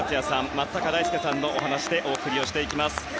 松坂大輔さんのお話でお送りしていきます。